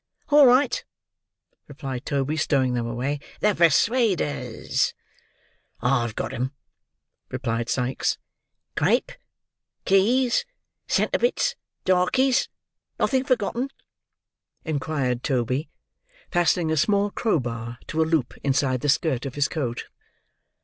"All right!" replied Toby, stowing them away. "The persuaders?" "I've got 'em," replied Sikes. "Crape, keys, centre bits, darkies—nothing forgotten?" inquired Toby: fastening a small crowbar to a loop inside the skirt of his coat.